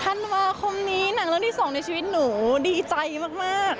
ธันวาคมนี้หนังเรื่องที่๒ในชีวิตหนูดีใจมาก